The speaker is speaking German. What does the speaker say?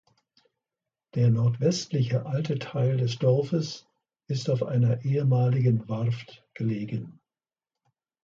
Der nordwestliche alte Teil des Dorfes ist auf einer ehemaligen Warft gelegen.